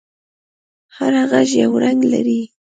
هر غږ یو رنگ لري.